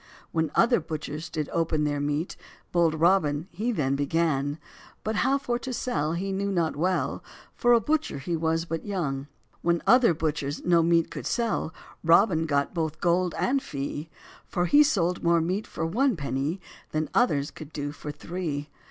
When other butchers did open their meat, Bold Robin he then begun; But how for to sell he knew not well, For a butcher he was but young. When other butchers no meat could sell, Robin got both gold and fee; For he sold more meat for one peny Then others could do for three.